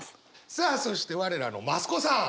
さあそして我らの増子さん！